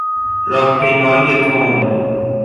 راهپیمایی تند